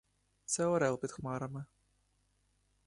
Це орел під хмарами.